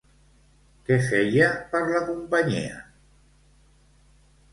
Què feia per la companyia?